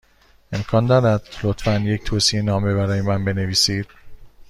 امکان دارد، لطفا، یک توصیه نامه برای من بنویسید؟